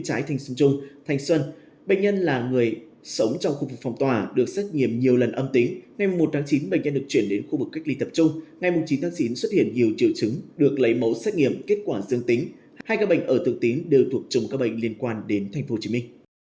hãy đăng kí cho kênh lalaschool để không bỏ lỡ những video hấp dẫn